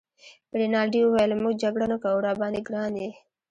رینالډي وویل: موږ جګړه نه کوو، راباندي ګران يې.